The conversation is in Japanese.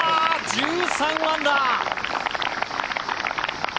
１３アンダー！